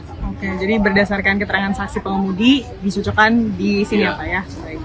oke jadi berdasarkan keterangan saksi pengemudi disucokan di sini ya pak ya